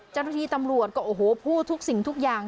เจ้าหน้าที่ตำรวจก็โอ้โหพูดทุกสิ่งทุกอย่าง